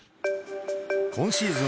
今シーズン